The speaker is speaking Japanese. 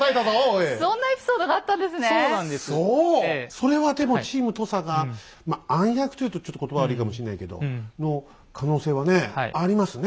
それはでもチーム土佐がまあ暗躍と言うとちょっと言葉は悪いかもしんないけどの可能性はねありますね。